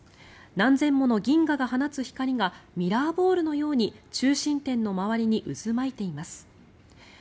何千もの銀河が放つ光がミラーボールのように中心点の周りに渦巻いています。